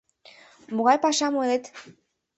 Могай пашам ойлет?